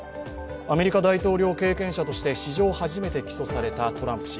アメリカ大統領経験者として史上初めて起訴されたトランプ氏。